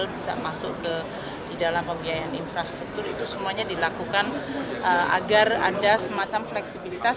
bisa masuk ke di dalam pembiayaan infrastruktur itu semuanya dilakukan agar ada semacam fleksibilitas